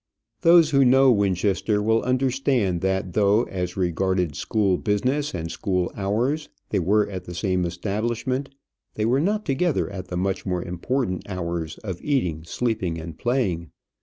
Those who know Winchester will understand, that though, as regarded school business and school hours, they were at the same establishment, they were not together at the much more important hours of eating, sleeping, and playing.